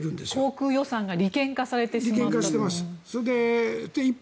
航空予算が利権化されてしまっている。